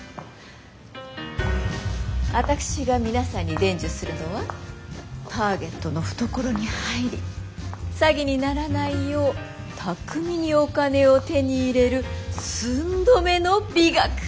私が皆さんに伝授するのはターゲットの懐に入り詐欺にならないよう巧みにお金を手に入れる寸止めの美学。